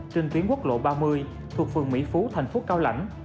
trên tuyến quốc lộ ba mươi thuộc phường mỹ phú thành phố cao lãnh